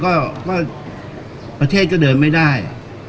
การสำรรค์ของเจ้าชอบใช่